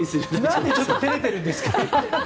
なんでちょっと照れてるんですか。